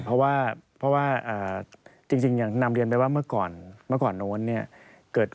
เพราะว่าจริงอย่างนำเรียนไปแบบว่าเมื่อก่อนโน้นนี้